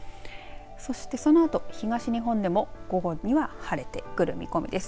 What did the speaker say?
そしてそのあと、東日本でも午後には晴れてくる見込みです。